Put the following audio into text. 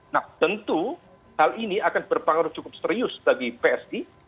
nah tentu hal ini akan berpengaruh cukup serius bagi psi